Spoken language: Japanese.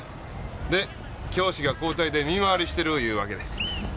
で教師が交代で見回りしてるいうわけで。